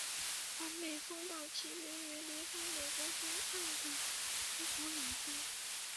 完美风暴起源于离开美国东岸的一股冷锋。